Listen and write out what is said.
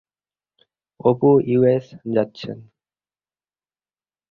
Apu US যাচ্ছেন।